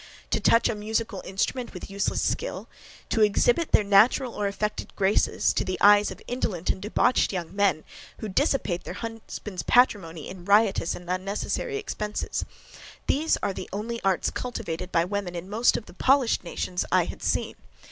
To touch a musical instrument with useless skill, to exhibit their natural or affected graces, to the eyes of indolent and debauched young men, who dissipate their husbands' patrimony in riotous and unnecessary expenses: these are the only arts cultivated by women in most of the polished nations I had seen.